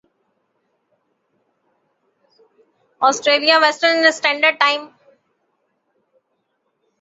Australia Western Standard time